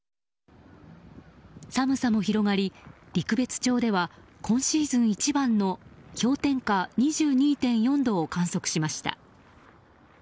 寒さも広がり陸別町では今シーズン一番の氷点下２２．４度を観測しました。